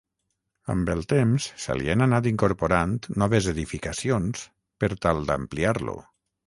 Amb el temps se li han anat incorporant noves edificacions per tal d'ampliar-lo.